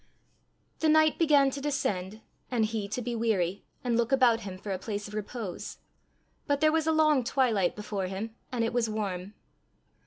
The night began to descend and he to be weary, and look about him for a place of repose. But there was a long twilight before him, and it was warm.